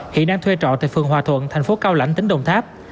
hiện đang thuê trọ tại phường hòa thuận thành phố cao lãnh tỉnh đồng tháp